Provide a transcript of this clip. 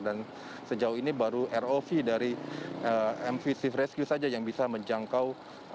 dan sejauh ini baru rov dari mv seaf rescue saja yang bisa menjangkau